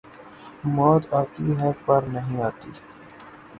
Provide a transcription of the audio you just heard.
موت آتی ہے پر نہیں آتی